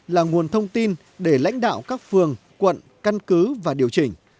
là nguồn thông tin để lãnh đạo các phường quận căn cứ và điều chỉnh